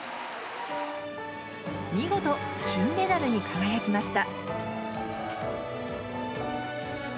見事、金メダルに輝きました。